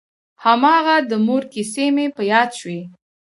هماغه د مور کيسې مې په ياد شوې.